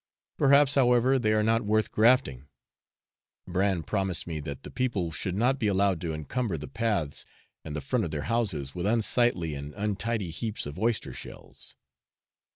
Perhaps, however, they are not worth grafting. Bran promised me that the people should not be allowed to encumber the paths and the front of their houses with unsightly and untidy heaps of oyster shells.